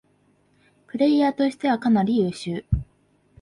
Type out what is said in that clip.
プレイヤーとしてはかなり優秀